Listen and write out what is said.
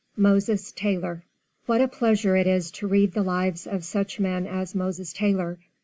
MOSES TAYLOR. What a pleasure it is to read the lives of such men as Moses Taylor.